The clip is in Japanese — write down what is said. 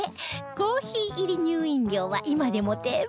コーヒー入り乳飲料は今でも定番です